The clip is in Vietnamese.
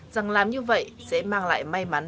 rằng làm như vậy sẽ mang lại may mắn